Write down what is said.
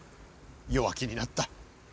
弱気になった。